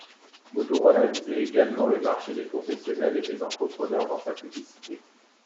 Motorola visait uniquement le marché des professionnels et des entrepreneurs, dans sa publicité.